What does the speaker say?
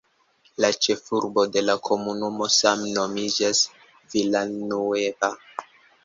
La ĉefurbo de la komunumo same nomiĝas "Villanueva".